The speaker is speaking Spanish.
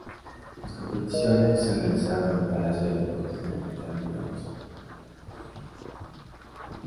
Las competiciones se realizaron en el Palacio de Deportes de la capital bielorrusa.